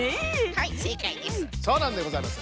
はいせいかいです。